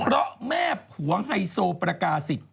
เพราะแม่ผัวไฮโซประกาศิษย์